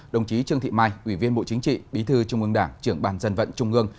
đồng chí trương thị mai ủy viên bộ chính trị bí thư trung ương đảng trưởng bàn dân vận trung ương